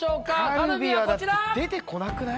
カルビはだって出てこなくない？